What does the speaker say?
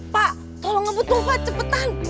pak tolong ngebut lupa cepetan